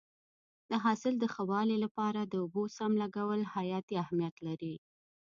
د حاصل د ښه والي لپاره د اوبو سم لګول حیاتي اهمیت لري.